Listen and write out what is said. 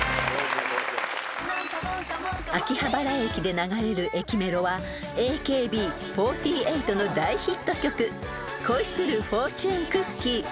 ［秋葉原駅で流れる駅メロはＡＫＢ４８の大ヒット曲『恋するフォーチュンクッキー』］